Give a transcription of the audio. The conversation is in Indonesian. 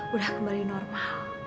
udah kembali normal